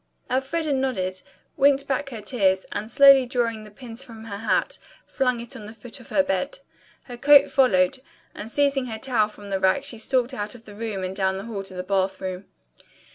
Elfreda nodded, winked back her tears, and slowly drawing the pins from her hat, flung it on the foot of her bed. Her coat followed, and seizing her towel from the rack she stalked out of the room and down the hall to the bath room.